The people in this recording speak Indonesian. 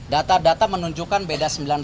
data data menunjukkan beda sembilan puluh delapan